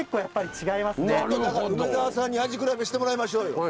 ちょっとだから梅沢さんに味比べしてもらいましょうよ。